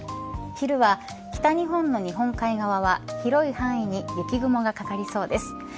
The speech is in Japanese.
昼は北日本の日本海側は広い範囲に雪雲がかかりそうです。